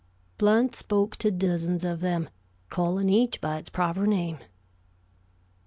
Blount spoke to dozens of them, calling each by its proper name.